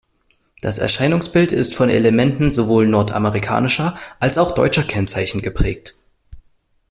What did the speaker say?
Das Erscheinungsbild ist von Elementen sowohl nordamerikanischer als auch deutscher Kennzeichen geprägt.